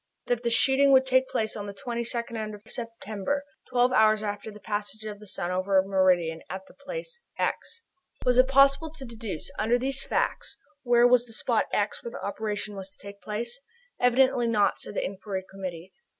That the shooting would take place on the 22d of September, twelve hours after the passage of the sun over the meridian of the place "x." Was it possible to deduce, under these facts, where was the spot "x," where the operation was to take place? Evidently not, said the Inquiry Committee.